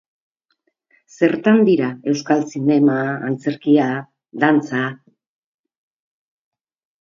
Zertan dira euskal zinema, antzerkia dantza?